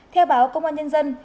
theo báo công an nhân dân